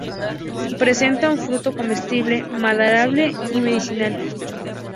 Presenta un fruto comestible, maderable y medicinal.